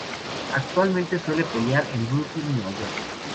Actualmente suele pelear en Brooklyn, Nueva York.